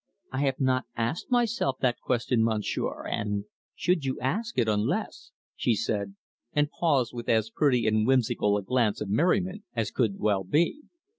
"I have not asked myself that question, Monsieur, and should you ask it, unless " she said, and paused with as pretty and whimsical a glance of merriment as could well be.